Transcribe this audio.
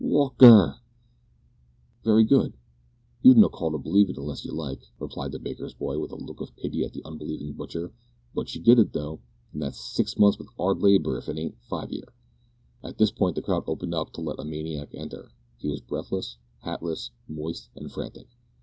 walk er!" "Very good; you've no call to b'lieve it unless you like," replied the baker's boy, with a look of pity at the unbelieving butcher, "but she did it, though an' that's six month with 'ard labour, if it ain't five year." At this point the crowd opened up to let a maniac enter. He was breathless, hatless, moist, and frantic.